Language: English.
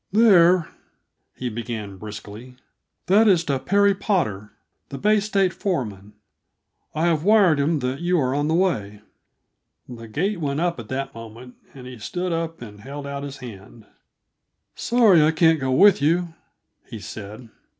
"There," he began briskly, "that is to Perry Potter, the Bay State foreman. I have wired him that you are on the way." The gate went up at that moment, and he stood up and held out his hand. "Sorry I can't go over with you," he said.